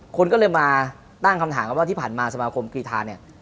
คนก็เลยมาตั้งคำถามกันว่าที่ผ่านมาสมาคมกีธาเนี่ย